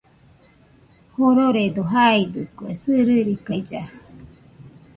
Jororedo jaidɨkue sɨrɨrikailla.